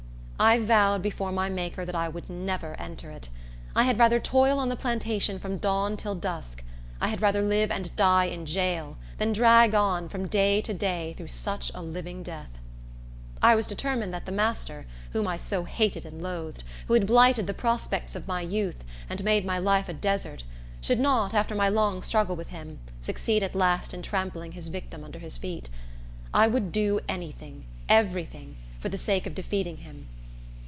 I vowed before my Maker that I would never enter it: I had rather toil on the plantation from dawn till dark; I had rather live and die in jail, than drag on, from day to day, through such a living death. I was determined that the master, whom I so hated and loathed, who had blighted the prospects of my youth, and made my life a desert, should not, after my long struggle with him, succeed at last in trampling his victim under his feet. I would do any thing, every thing, for the sake of defeating him.